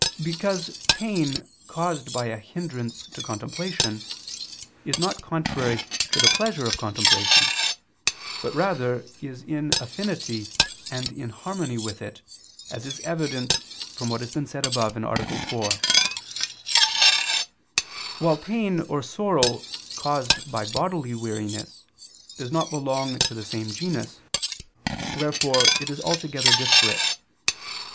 Because pain caused by a hindrance to contemplation, is not contrary to the pleasure of contemplation, but rather is in affinity and in harmony with it, as is evident from what has been said above (A. 4): while pain or sorrow caused by bodily weariness, does not belong to the same genus, wherefore it is altogether disparate.